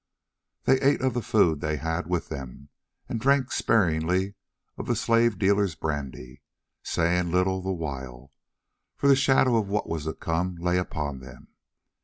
They ate of the food they had with them and drank sparingly of the slave dealers' brandy, saying little the while, for the shadow of what was to come lay upon them.